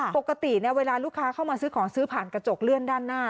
ปกติเวลาลูกค้าเข้ามาซื้อของซื้อผ่านกระจกเลื่อนด้านหน้า